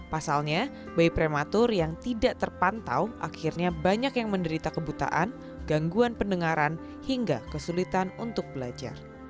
pasalnya bayi prematur yang tidak terpantau akhirnya banyak yang menderita kebutaan gangguan pendengaran hingga kesulitan untuk belajar